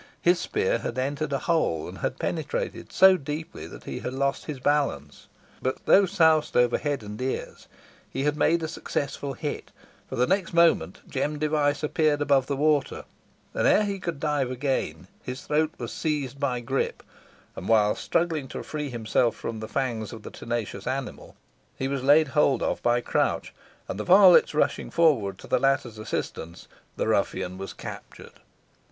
His spear had entered a hole, and had penetrated so deeply that he had lost his balance. But though, soused over head and ears, he had made a successful hit, for the next moment Jem Device appeared above the water, and ere he could dive again his throat was seized by Grip, and while struggling to free himself from the fangs of the tenacious animal, he was laid hold of by Crouch, and the varlets rushing forward to the latter's assistance, the ruffian was captured.